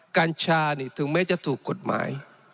กัญชานี่ถึงแม้จะถูกกฎหมาย